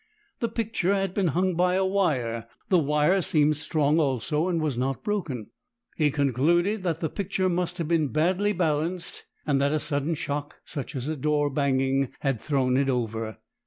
The picture had been hung by a wire; the wire seemed strong also and was not broken. He concluded that the picture must have been badly balanced and that a sudden shock such a door banging had thrown it over.